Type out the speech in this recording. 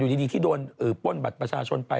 ดีที่โดนป้นบัตรประชาชนไป